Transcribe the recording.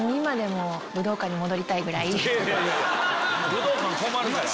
武道館困るから。